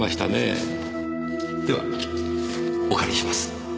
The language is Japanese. ではお借りします。